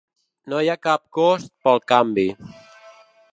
No hi ha cap cost pel canvi.